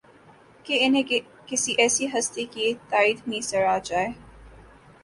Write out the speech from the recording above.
کہ انہیں کسی ایسی ہستی کی تائید میسر آ جائے